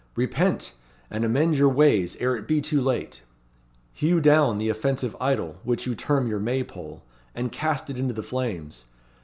"Repent! and amend your ways ere it be too late! Hew down the offensive idol, which you term your May pole, and cast it into the flames!